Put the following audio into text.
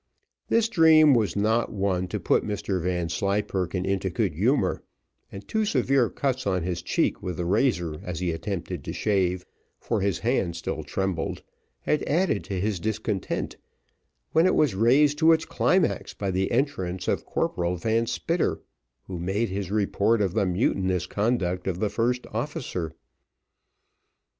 This dream was not one to put Mr Vanslyperken into good humour, and two severe cuts on his cheek with the razor as he attempted to shave, for his hand still trembled, had added to his discontent, when it was raised to its climax by the entrance of Corporal Van Spitter, who made his report of the mutinous conduct of the first officer.